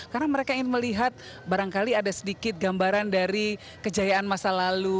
karena mereka ingin melihat barangkali ada sedikit gambaran dari kejayaan masa lalu